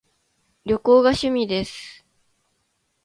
旅行が趣味です